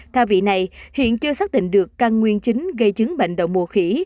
tha vị này hiện chưa xác định được căn nguyên chính gây chứng bệnh đậu mùa khỉ